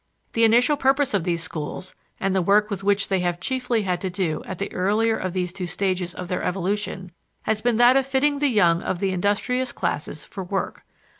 The initial purpose of these schools, and the work with which they have chiefly had to do at the earlier of these two stages of their evolution, has been that of fitting the young of the industrious classes for work.